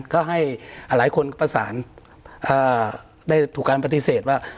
ก็ให้หลายคนก็ประสานได้ถูกการปฏิเสธว่า